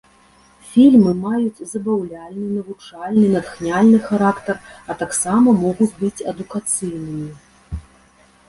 Фільмы маюць забаўляльны, навучальны, натхняльны характар, а таксама могуць быць адукацыйнымі.